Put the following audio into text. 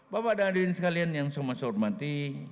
bapak dan adik adik sekalian yang saya hormati